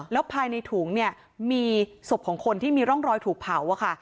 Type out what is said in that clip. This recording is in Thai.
แล้วภายในถุงเนี่ยมีศพของคนที่มีร่องรอยถูกเผาอะค่ะ